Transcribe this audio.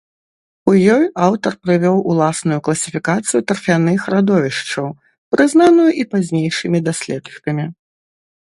У ёй аўтар прывёў уласную класіфікацыю тарфяных радовішчаў, прызнаную і пазнейшымі даследчыкамі.